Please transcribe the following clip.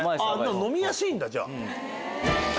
飲みやすいんだじゃあ。